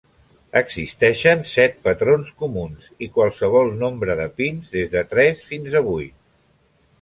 Existeixen set patrons comuns i qualsevol nombre de pins des de tres fins a vuit.